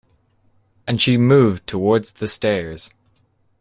And she moved towards the stairs.